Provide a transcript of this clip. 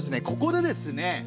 ここでですね